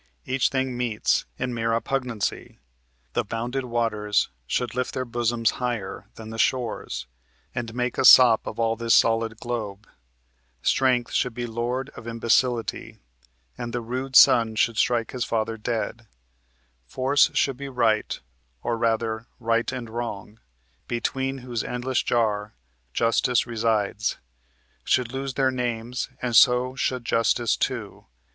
each thing meets In mere oppugnancy; the bounded waters Should lift their bosoms higher than the shores, And make a sop of all this solid globe; Strength should be lord of imbecility, And the rude son should strike his father dead; Force should be right; or, rather, right and wrong, (Between whose endless jar justice resides) Should lose their names, and so should justice too.